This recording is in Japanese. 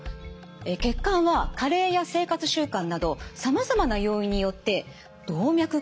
血管は加齢や生活習慣などさまざまな要因によって動脈硬化を起こします。